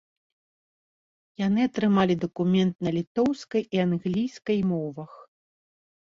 Яны атрымалі дакумент на літоўскай і англійскай мовах.